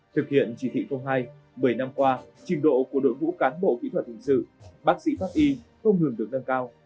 thực hiện chỉ thị hai một mươi năm qua trình độ của đội ngũ cán bộ kỹ thuật hình sự bác sĩ pháp y không ngừng được nâng cao